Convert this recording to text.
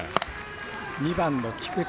２番の菊地。